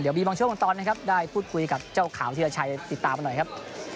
เดี๋ยวบีบองโชคของตอนนะครับได้พูดคุยกับเจ้าข่าวธิรัชัยติดตามกันหน่อยครับ